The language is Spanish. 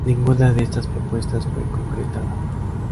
Ninguna de estas propuestas fue concretada.